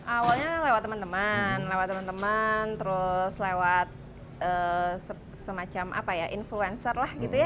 awalnya lewat teman teman lewat teman teman terus lewat semacam apa ya influencer lah gitu ya